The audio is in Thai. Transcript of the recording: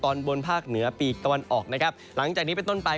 ตอนบนภาคเหนือปีกตะวันออกนะครับหลังจากนี้เป็นต้นไป